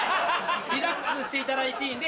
リラックスしていただいていいんで。